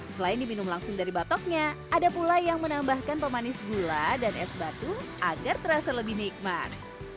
selain diminum langsung dari batoknya ada pula yang menambahkan pemanis gula dan es batu agar terasa lebih nikmat